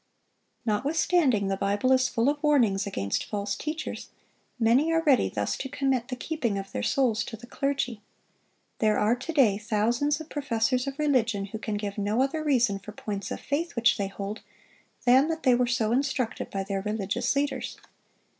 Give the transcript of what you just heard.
Notwithstanding the Bible is full of warnings against false teachers, many are ready thus to commit the keeping of their souls to the clergy. There are to day thousands of professors of religion who can give no other reason for points of faith which they hold than that they were so instructed by their religious leaders.